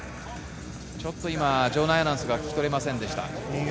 場内アナウンスが聞き取れませんでした。